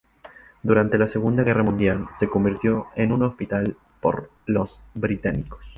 Durante la Segunda Guerra Mundial, se convirtió en un hospital por los británicos.